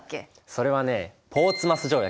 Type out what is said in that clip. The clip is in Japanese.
それはねポーツマス条約。